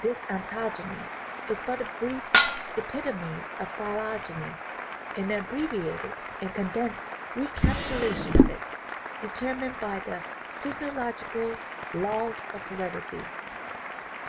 This ontogeny is but a brief epitome of phylogeny, an abbreviated and condensed recapitulation of it, determined by the physi ological laws of heredity.